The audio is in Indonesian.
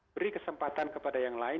beri kesempatan kepada yang lain